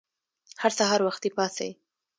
هر سهار وختي پاڅئ!